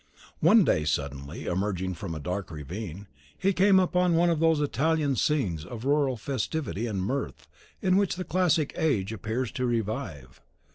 One day suddenly emerging from a dark ravine, he came upon one of those Italian scenes of rural festivity and mirth in which the classic age appears to revive.